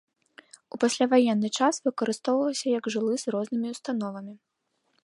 У пасляваенны час выкарыстоўваўся як жылы з рознымі установамі.